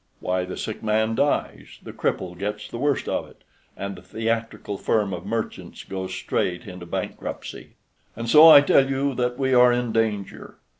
Why, the sick man dies, the cripple gets the worst of it, and the theatrical firm of merchants goes straight into bankruptcy. "And so I tell you that we are in danger.